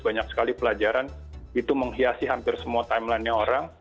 banyak sekali pelajaran itu menghiasi hampir semua timelinenya orang